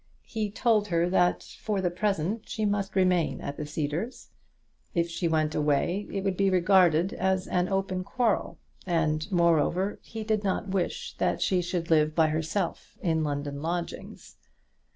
He told her that, for the present, she must remain at the Cedars. If she went away it would be regarded as an open quarrel, and moreover, he did not wish that she should live by herself in London lodgings.